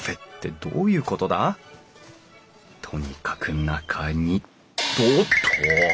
とにかく中におっと！